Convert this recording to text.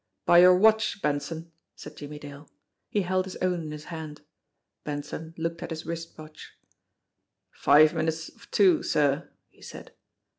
"By your watch, Benson," said Jimmie Dale. He held his own in his hand. Benson looked at his wrist watch. "Five minutes of two, sir," he said.